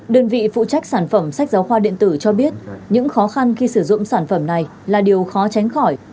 đơn vị phụ trách sản phẩm sách giáo khoa điện tử cho biết những khó khăn khi sử dụng sản phẩm này là điều khó tránh khỏi